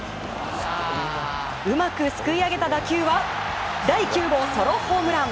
うまくすくい上げた打球は第９号ソロホームラン。